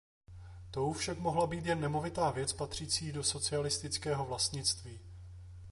Tou však mohla být jen nemovitá věc patřící do socialistického vlastnictví.